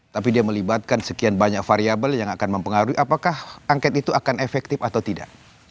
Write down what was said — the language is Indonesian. tapi dia melibatkan sekian banyak variable yang akan mempengaruhi apakah angket itu akan efektif atau tidak